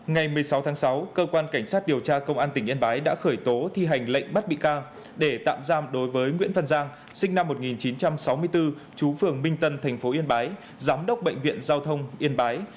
ngày một mươi sáu tháng sáu cơ quan cảnh sát điều tra công an tỉnh yên bái đã khởi tố thi hành lệnh bắt bị can để tạm giam đối với nguyễn văn giang sinh năm một nghìn chín trăm sáu mươi bốn chú phường minh tân tp yên bái giám đốc bệnh viện giao thông yên bái